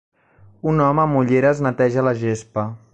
Un home amb ulleres neteja la gespa.